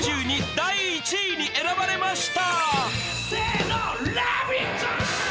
第１位に選ばれました！